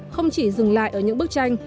không chỉ dừng lại ở những bức tranh